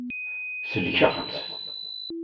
Sellkeɣ-tt.